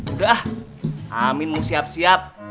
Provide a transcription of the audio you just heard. udah ah amin mau siap siap